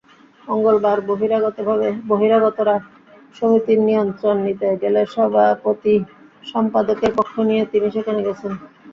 মঙ্গলবার বহিরাগতরা সমিতির নিয়ন্ত্রণ নিতে গেলে সভাপতি-সম্পাদকের পক্ষ নিয়ে তিনি সেখানে গেছেন।